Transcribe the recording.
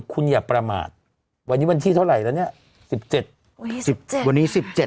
คุณอย่าประมาทวันนี้วันที่เท่าไรแล้วเนี้ยสิบเจ็ดวันนี้สิบเจ็ดอ๋อ